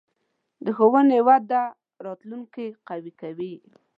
د ښوونې وده راتلونکې قوي کوي.